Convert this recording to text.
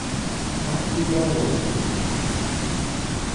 Aquidauana